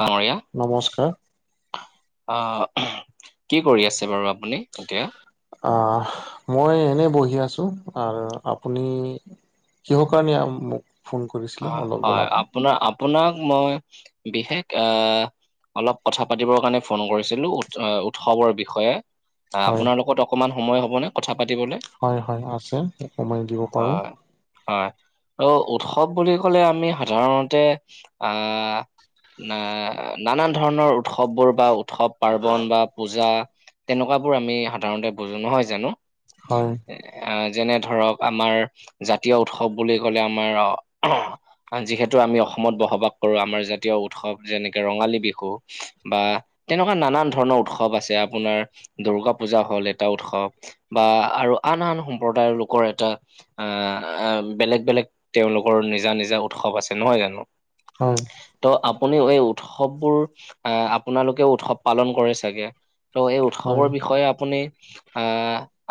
ডাঙৰীয়া। নমস্কাৰ। অ', অ', কি কৰি আছে বাৰু, আপুনি এতিয়া? আহ, মই এনে বহি আছো আৰু আপুনি? কিহৰ কাৰণে আম মোক ফোন কৰিছিলে আ অলপ হয়, জনাব আপোনাৰ আপোনাক মই বিশেষ আহ অলপ কথা পাতিবৰ কাৰণে ফোন কৰিছিলো, উৎ উৎসৱৰ বিষয়ে। আ, হয় আপোনাৰ লগত অকণমান সময় হ'বনে কথা পাতিবলে। হয়, হয়, আছে, অকমমান দিব পাৰোঁ। হয় হয়, ত উৎসৱ বুলি কলে আমি সাধাৰণতে আ না-নানান ধৰণৰ উৎসৱবোৰ বা উৎসৱ পাৰ্বন বা পূজা, তেনেকোৱাবোৰ আমি সাধাৰণতে বুজো নহয় জানো? হয়। আ, যেনে ধৰক আমাৰ জাতীয় উৎসৱ বুলি ক'লে আমাৰ আ যিহেতু আমি অসমত বসবাস কৰো, আমাৰ জাতীয় উৎসৱ যেনেকে ৰঙালী বিহু বা তেনেকোৱা নানান ধৰণৰ উৎসৱ আছে, আপোনাৰ দূৰ্গা পূজা হ'ল এটা উৎসৱ। বা আৰু আন আন সম্প্ৰদায়ৰ লোকৰ এটা আ আ বেলেগ বেলেগ তেওঁলোক [unintelligible] নিজা নিজা উৎসৱ আছে নহয় জানো। হয়। ত', আপুনি এই উৎসৱবোৰ, আ, আপোনালোকেও উৎসৱ পালন কৰে চাগে? ত', এই হয় উৎসৱৰ বিষয়ে আপুনি আ,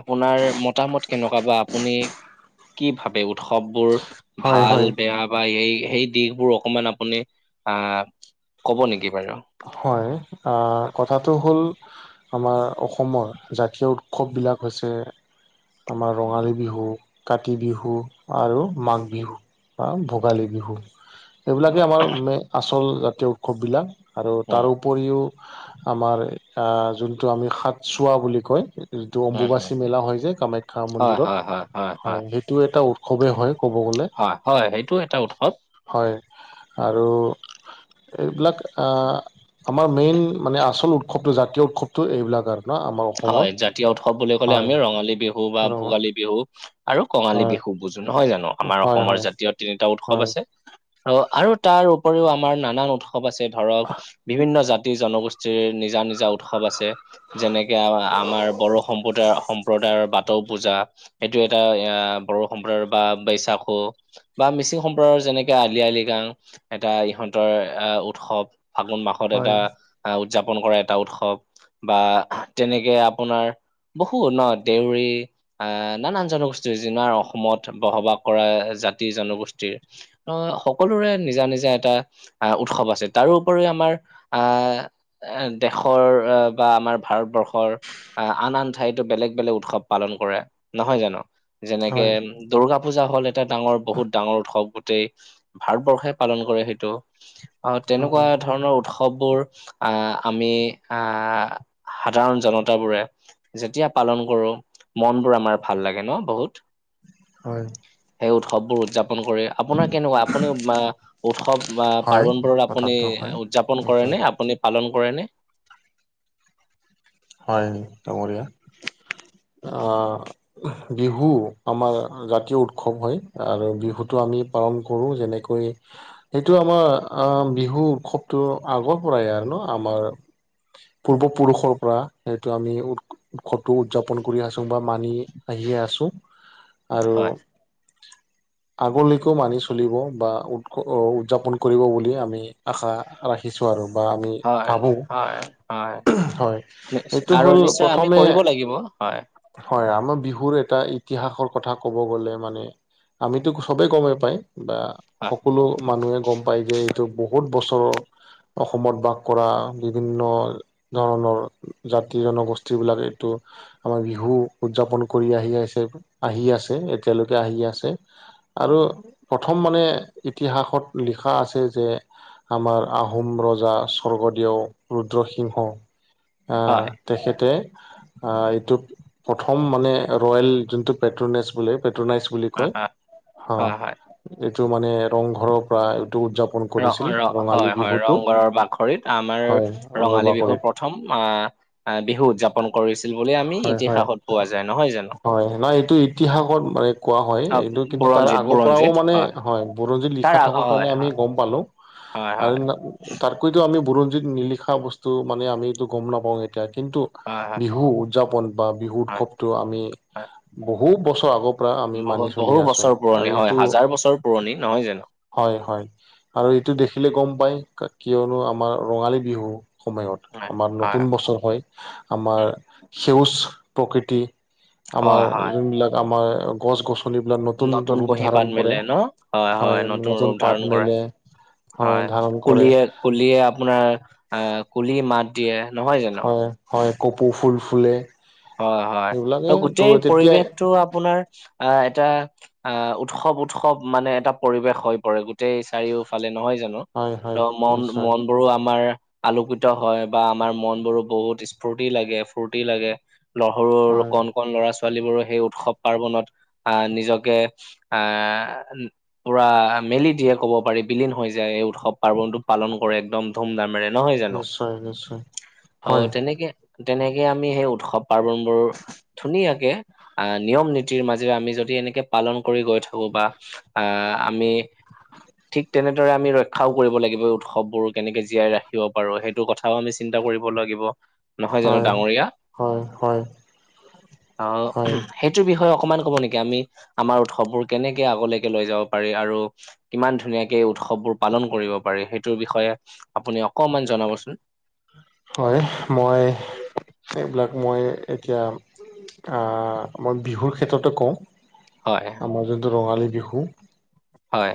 আপোনাৰ মতামত কেনেকুৱা বা আপুনি কি ভাবে, উৎসৱ বোৰ হয় ভাল হয় বেয়া। বা এই সেই দিশবোৰ অকমান আপুনি অ', কব নেকি বাৰু। হয়। অ', কথাটো হ'ল আমাৰ অসমৰ জাতীয় উৎসৱবিলাক হৈছে আমাৰ ৰঙালী বিহু, কাতি বিহু, আৰু মাঘ বিহু। বা ভোগালী বিহু। এইবিলাকে আমাৰ মে আচল জাতীয় উৎসৱবিলাক, আৰু উম, তাৰো উপৰিও আমাৰ অ', যোনটো আমি সাতচোৱা বুলি কয়। যিটো উম, উম, অম্বুবাচী মেলা হয় যে কামাখ্যা হয়, মন্দিৰত, হয়, হয়, হয়, সেই টো এটা উৎসৱে হয় ক'ব গ'লে। অ', হয়। সেইটো এটা উৎসৱ। হয়। আৰু এইবিলাক অ', আমাৰ মেইন মানে আচল উৎসৱটো জাতীয় উৎসৱটো এইবিলাক আৰু। ন আমাৰ অসমৰ হয়। জাতীয় উৎসৱ বুলি ক'লে হয় আমি ৰঙালী বিহু বা আৰু ভোগালী বিহু আৰু কঙালী হয় বিহু। বুজো নহয় জানো, আমাৰ হয় অসমৰ জাতীয় তিনিটা উৎসৱ হয় আছে। অ', আৰু তাৰ উপৰিও আমাৰ নানান উৎসৱ আছে, ধৰক বিভিন্ন জাত তি জনগোষ্ঠীৰ নিজা নিজা উৎসৱ আছে। যেনে আও আমাৰ বড়ো সম্প্ৰদায় সম্প্ৰদায়ৰ বাথৌ পূজা। সেইটো এটা অ', বড়ো সম্প্ৰদায়ৰ বা বৈশাখু বা মিচিং সম্প্ৰ যেনেকে আলি আই লৃগাং, এটা ইহঁতৰ অ', উৎসৱ। ফাগুন মাহত হয় হয় এটা অ', উদযাপন কৰা এটা উৎসৱ। বা তেনেকে আপোনাৰ বহুত ন, দেউৰী অ', নানান জনগোষ্ঠীৰ যিমান অসমত বসবাস কৰা জাতি জনগোষ্ঠীৰ অ', সকলোৰে নিজা নিজা এটা অ', উৎসৱ আছে। তাৰোপৰি আমাৰ অ' এ, দেশৰ বা আমাৰ ভাৰতবৰ্ষ হৰ আন আন ঠাইতো বেলেগ বেলেগ উৎসৱ পালন কৰে, নহয় জানো? যেনেকে হয় দুূৰ্গা পূজা হ'ল এটা ডাঙৰ বহুত ডাঙৰ উৎসৱ গোটেই ভাৰতবৰ্ষই পালন কৰে সেইটো। অ', তেনেকুৱা হয় ধৰণৰ উৎসৱ চববোৰ অ', আমি, অ' যাওঁ জনতাবোৰে, যেতিয়া পালন কৰো, মন বোৰ আমাৰ ভাল লাগে ন বহুত। হয়। সেই উৎসৱবোৰ উদযাপন কৰে, আপোনাৰ কেনেকুৱা, আপুনি মা উৎসৱ বা হয় পাৰ্বনবোৰত আপুনি কথাটো হয় উদযাপন কৰে নিশ্চয় নে? আপুনি পালন কৰে নে? হয় ডাঙৰীয়া। অ' বিহু, আমাৰ জাতীয় উৎসৱ হয়। আৰু বিহুটো আমি পালন কৰোঁ, যেনেকৈ সেইটো আমাৰ অ', বিহু উৎসৱটো আগৰ পৰাই আৰু ন আমাৰ পূৰ্ব পুৰুষৰ পৰা সেইটো আমি উ উৎসটো উদযাপন কৰি আছো, বা মানি আহিয়ে আছো। আৰু হয়। আগলৈকে মানি চলিব, বা উৎস উদযাপন কৰিব বুলি আমি আশা ৰাখিছো আৰু বা আমি হয়, ভাবো, হয়, হয়। হয়। নিশ্চয় এইটো আৰু হ'ল নিশ্চয় আমি প্ৰথমে কৰিব লাগিব। হয়। হয়, আমাৰ বিহুৰ এটা ইতিহাসৰ কথা ক'ব গ'লে মানে আমিতো সবেই গমেই পায়। বা হয়, সকলো মানুহে গম পায় যে এইটো বহুত বছৰৰ অসমত বাস কৰা বিভিন্ন ধৰণৰ জাতি-জনগোষ্ঠীবিলাক এইটো আমাৰ বিহু উদযাপন কৰি আহি আছে, আহি আছে এতিয়ালৈকে আহি আছে। আৰু প্ৰথম মানে ইতিহাসত লিখা আছে যে আমাৰ আহোম ৰজা স্বৰ্গদেউ ৰুদ্ৰসিংহ। আহ, হয়, তেখেতে এইটো প্ৰথম মানে ৰয়েল যোনটো প্ৰেট্ৰেনেছ বোলে, প্ৰেট্ৰোনাইছ বুলি হয়, কয় হয়। হা! হয়, এইটো মানে ৰংঘৰক ৰ-ৰ হয়, হয়। বিহুটো ৰংঘৰৰ বাখৰিত আমাৰ হয় ৰংঘৰ ৰঙালী বিহু প্ৰ বাকৰিত প্ৰথম আহ, বিহু উদযাপন কৰিছিল। বুলি আমি হয়, হয়। ইতিহাসত পোৱা যায় নহয় জানো? হয়, নহ এইটো ইতিহাসত মানে কোৱা হয়। অ' এইটো কিন্তু তাৰ বুৰঞ্জিত আগৰ পৰাও বুৰঞ্জিত মানে হয়, বুৰঞ্জী তাৰ লিখা আ থকাৰ কাৰণে হয়, আমি হয়, গম পালো হয়, আৰু হয়, তা-তাতকৈতো আমি বুৰঞ্জিত নিলিখা বস্তু মানে আমটো গম নাপাওঁ এতিয়া কিন্তু হয়, হয়, বিহু উদযাপন বা বিহু হয়। উৎসৱটো আমি হয়। বহু বছৰ আগৰ পৰা আমি বহু মানি চলি বহু আছো বছৰ আৰু পুৰণি হয় এইটো হাজাৰ বছৰ পুৰণি নহয় জানো? হয়, হয়। আৰু এইটো দেখিলে গম পায় কিয়নো আমাৰ ৰঙালী বিহু সময়ত হয় আমাৰ হয় নতুন বছৰ হয়, উম আমাৰ সেউজ প্ৰকৃতি আমাৰ হয় হয় যোনবিলাক আমাৰ গছ-গছনি নতুন কুঁহি পাত মেলে ন' হয়, হয়। নতুন ৰূপ ধাৰণ কৰে। হয়, ধাৰণ কৰে কুলিয়ে-কুলিয়ে আপোনাৰ আহ, কুলি মাত দিয়ে নহয় জানোঁ। হয় হয় কপৌ ফুল ফুলে। হয়, হয়। সেইবিলাকে ত' গোটেই তেতিয়াই পৰিৱেশটো আপোনাৰ অহ এটা আহ উৎসৱ-উৎসৱ মানে এটা পৰিৱেশ হৈ পৰে, গোটেই চাৰিওফালে নহয় জানোঁ? হয় হয় অ' নিশ্চয় মন-মন বোৰো আমাৰ আলোকিত হয় বা আমাৰ মনবোৰো বহুত স্ফুৰ্তি লাগে, স্ফুৰ্তি লাগে। সৰু-সৰু হয় কন কন ল'ৰা-ছোৱালীবোৰেও সেই উৎসৱ পাৰ্বনত আহ, নিজকে আহ পুৰা মেলি দিয়ে, কব পাৰি বিলীন হৈ যায়। এই উৎসৱ পাৰ্বনটো পালন কৰে। একদম ধুম-ধামেৰে নহয় জানো? নিশ্চয় নিশ্চয় অহ, হয় তেনেকে-তেনেকে আমি সেই উৎসৱ পাৰ্বনবোৰ ধুনীয়াকে আহ, নিয়ম-নীতিৰ মাজেৰে আমি যদি এনেকে পালন কৰি গৈ থাকো বা আহ, আমি ঠিক তেনেদৰে আমি ৰক্ষাও কৰিব লাগিব। এই উৎসৱবোৰ কেনেকে জীয়াই ৰাখিব পাৰো সেই সেইটো কথাও আমি চিন্তা কৰিব লাগিব, নহয় জানোঁ হয় ডাঙৰীয়া? হয়, হয়। অ হয় সেইটোৰ বিষয়ে অকমান ক'ব নেকি, আমি আমাৰ উৎসৱবোৰ কেনেকে আগলৈকে লৈ যাব পাৰি আৰু কিমান ধুনীয়াকে এই উৎসৱবোৰ পালন কৰিব পাৰি, সেইটোৰ বিষয়ে আপুনি অকমান জনাবচোন। হয়, মই এইবিলাক মই এতিয়া, আহ মই বিহুৰ ক্ষেত্ৰতে কওঁ। হয়। আমাৰ যোনটো ৰঙালী বিহু। হয়।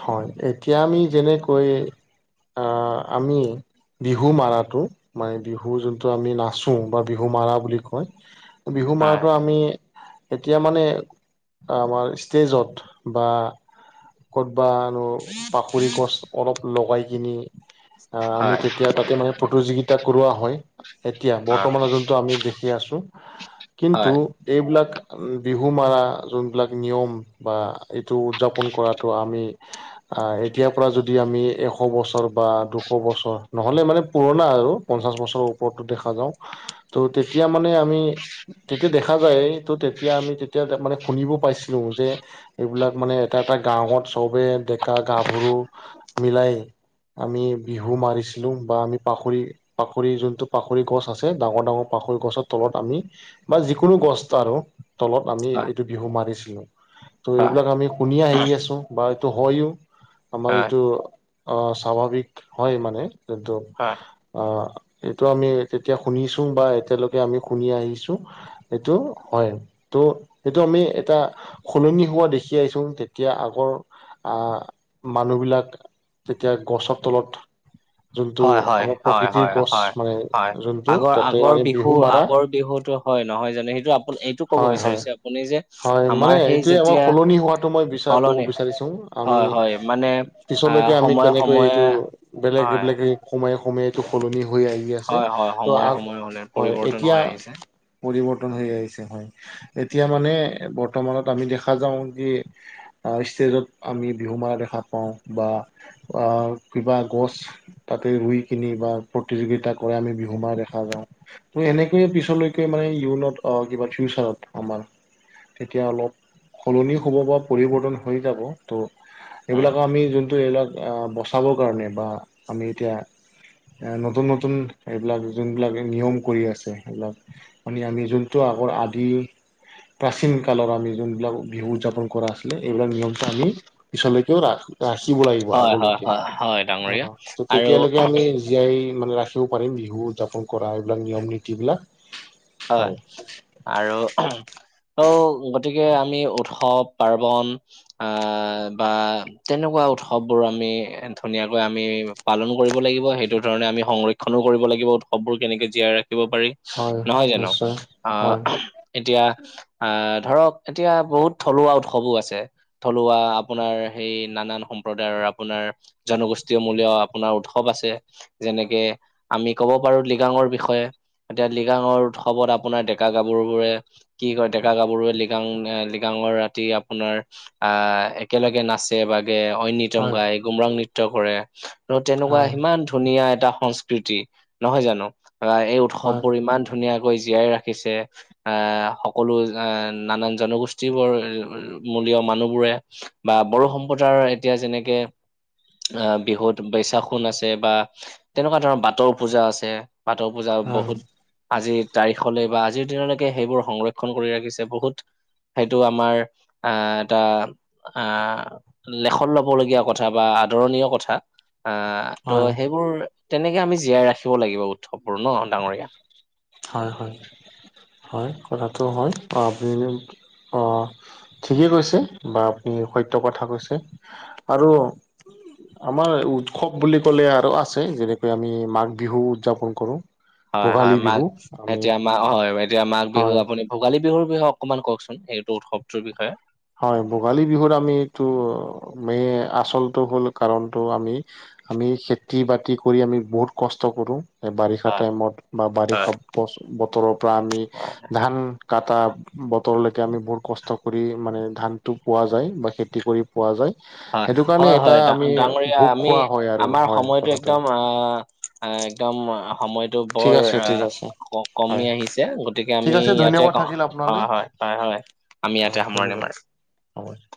হয় এতিয়া আমি যেনেকৈ আমি। বিহু মাৰটো মানে বিহু যোনটো আমি নাচো বা বিহু মাৰা বুলি কয়। বিহু হয় মাৰটো আমি এতিয়া মানে আমাৰ ষ্টেজত বা। ক'বানো পাখৰি গছ অলপ লগাই কিনি। অ আমি হয় তেতিয়া তাতে মানে প্ৰতিযোগিতা কৰোৱা হয়। এতিয়া হয় বৰ্তমানৰ যোনটো আমি দেখি আছো কিন্তু। হয় এইবিলাক বিহু মাৰা যোনবিলাক নিয়ম বা এইটো উদযাপন কৰাত। টো আমি। আহ এতিয়াৰ পৰা যদি আমি এশ বছৰ বা দুশ বছৰ নহ'লে মানে পুৰণা আৰু। পঞ্চাছ বছৰ ওপৰতো দেখা যাওঁ। [inaudible] ত তেতিয়া মানে আমি। তেতিয়া দেখা যায় ত' তেতিয়া আমি তেতিয়া মানে শুনিব পাইছিলো যে। এইবিলাক মানে এটা এটা গাঁৱত চবে ডেকা- গাভৰু মিলাই। আমি বিহু মাৰিছিলোঁ বা আমি পাখৰি। পাখৰি যোনটো পাখৰি গছ আছে ডাঙৰ ডাঙৰ পাখৰি গছৰ তলত আমি। বা যিকোনো গছ আৰু। তলত আমি হয় এইটো বিহু মাৰিছিলো ত' হয় এইবিলাক আমি শুনি আহি আছি। বা এইটো হয়ও আমাৰ হয় এইটো। অ স্বাভাৱিক হয় মানে এটো। আ। অ এইটো আমি তেতিয়া শুনিছো বা এতিয়ালৈকে আমি শুনি আহিছোঁ। এইটো হয় ত' এইটো আমি এটা। সলনি হোৱা দেখি আহিছো তেতিয়া আ। ক আহ মানুহবিলাক তেতিয়া গছৰ তলত। যোনটো হয় হয় আমাৰ হয় প্ৰকৃতিৰ হয় হয় গছ হয় মানে হয় যোনটো আগৰ তাতে আগৰ মানে বিহু মাৰা। আগৰ বিহুতো হয় নহয় জানো সেইটো আপ এইটো ক'ব হয় হয় বিচাৰিছে আপুনি যে হয় মানে আমাৰ সেই এইটোয়ে আমাৰ যেতিয়া সলনি হোৱাটো মই বিচাৰো। ক'ব সলনি বিচাৰিছো আমি হয় হয় মানে আহ পিছলৈকে আমি সময়ে কেনেকৈ সময়ে এইটো বেলেগ হয় বেলেগ। সোময়ে সোময়েটো সলনি হৈ আহি আছে হয় হয় ত' সময়ে আ সময়ে হলে হয় পৰিৱৰ্তন এতিয়া। হৈ আহিছে পৰিৱৰ্তন হৈ আহিছে হয় এতিয়া মানে বৰ্তমানত আমি দেখা যাওঁ যে। ষ্টেজত আমি বিহু মাৰা দেখা পাওঁ বা কিবা গছ। তাতে ৰুই কিনি বা প্ৰতিযোগিতা কৰে আমি বিহুমা দেখা যাওঁ। ত এনেকৈয়ে পিছলৈকে মানে ইউনত অ কিবা ফিউচাৰত আমাৰ। তেতিয়া অলপ সলনি হ'ব বা পৰিৱৰ্তন। হৈ যাব ত' উম এইবিলাকো আমি যোনটো এইবিলাক। আ বচাবৰ কাৰণে বা আমি এতিয়া। এ নতুন নতুন এইবিলাক যোনবিলাক নিয়ম কৰি আছে এইবিলাক। আমি আমি যোনটো আগৰ আদি। প্ৰাচীন কালৰ আমি যোনবিলাক বিহু উদযাপন কৰা আছিলে এইবিলাক নিয়ম আমি পিছলৈকেও ৰাখো। ৰাখিব লাগিব হয় হয় আগলৈকে হয় হয় অ ডাঙৰীয়া ত আৰু তেতিয়ালৈকে আমি। জীয়াই মানে ৰাখিব পাৰিম বিহু উদযাপন কৰা এইবিলাক নিয়ম নীতিবিলাক। হয় আৰু অঔগতিকে আমি উৎসৱ -পাৰ্বন। আহ বা তেনেকুৱা উৎসৱ বোৰ আমি ধুনীয়াকৈ আমি। পালন কৰিব লাগিব। সেইটো ধৰণে আমি সংৰক্ষণো কৰিব লাগিব উৎসৱবোৰ কেনেকে জীয়াই ৰাখিব পাৰি। হয় নহয় জানো? নিশ্চয় অ হয় অহ। এতিয়া আহ ধৰক এতিয়া বহুত থলুৱা উৎসৱো আছে। থলুৱা আপোনাৰ সেই নানান সম্প্ৰদায়ৰ আপোনাৰ জনগোষ্ঠীয় মূলীয় আপোনাৰ উৎসৱ আছে। যেনেকে আমি ক'ব পাৰোঁ লৃগাঙৰ বিষয়ে এতিয়া লৃ গাঙৰ উৎসৱত আপোনাৰ ডেকা গাভৰু বোৰে কি কয় ডেকা গাভৰুৱে লৃগাং এ লৃগাঙৰ ৰাতি আপোনাৰ আহ একেলগে নাচে বা ঐনিতম হয় গাই, গুমৰাং নৃত্য কৰে। আৰু তেনেকুৱা হয় সিমান ধুনীয়া এটা সংস্কৃতি, নহয় জানো? ধৰা এই উৎ হয়। ইমান ধুনীয়াকৈ জীয়াই ৰাখিছে। আহ সকলো এ নানান জনগোষ্ঠীবোৰ মূলীয় মানুহবোৰে বা বড়ো সম্প্ৰদায়ৰ এতিয়া যেনেকে আহ বিহুত বৈশাখোন আছে বা তেনেকুৱা ধৰণৰ বাথৌ পূজা আছে। বাথৌ পূজা হয় বহুত আজিৰ তাৰিখলৈ বা আজিৰ দিনলৈকে সেইবোৰ সংৰক্ষণ কৰি ৰাখিছে বহুত সেইটো আমাৰ আহ এটা আহ লেখত ল'ব লগীয়া কথা বা আদৰণীয় কথা আহ ত' হয় সেইবোৰ তেনেকে আমি জীয়াই ৰাখিব লাগিব উৎসৱবোৰ ন' ডাঙৰীয়া? হয় হয়, হয় কথাটো হয়। অহ আপুনি অহ। ঠিকেই কৈছে বা আপুনি সত্য কথা কৈছে আৰু আমাৰ উৎসৱ বুলি ক'লে আৰু আছে। যেনেকৈ আমি মাঘ বিহু উদযাপন কৰোঁ। হয় ভোগালী হয় মাঘ বিহু আমি এতিয়া মা হয় এতিয়া মাঘ বিহু হয় আপুনি ভোগালী বিহুৰ বিষয়ে অকমান কৱকচোন? সেইটো উৎসৱটোৰ বিষয়ে হয়, ভোগালী বিহুত আমি তো মে আচলটো হ'ল কাৰণটো আমি আমি খেতি বাতি কৰি আমি বহুত কষ্ট কৰোঁ। এ বাৰিষা হয় টাইমত বা বাৰিষা বছ বতৰৰ পৰা আমি হয় ধান কাটা বতৰলৈকে আমি বহুত কষ্ট কৰি মানে ধানটো পোৱা যায় বা খেতি কৰি পোৱা যায় হয়, সেইটো কাৰণে হয়, এটা হয়, ডা আমি ডাঙৰীয়া ভোগ আমি খোৱা হয় আৰু আমাৰ হয় সময়টো কথা একদম আহ আ একদম সময়টো ঠিক বৰ আছে ঠিক আহ আছে ক কমি হয় আহিছে। গতিকে ঠিক আমি আছে ইয়াতে ধন্যবাদ থাকিল অঁ আপোনালৈ হয় হয় হয়। আমি ইয়াতে হয় সামৰণি ধন্যবাদ মাৰো। [unintelligible]